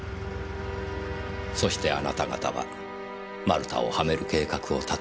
そしてあなた方は丸田をはめる計画を立てた。